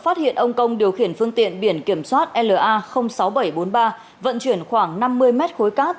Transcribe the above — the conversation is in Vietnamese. phát hiện ông công điều khiển phương tiện biển kiểm soát la sáu nghìn bảy trăm bốn mươi ba vận chuyển khoảng năm mươi mét khối cát